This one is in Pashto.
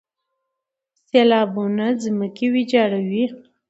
سیلابونه ځمکې ویجاړوي.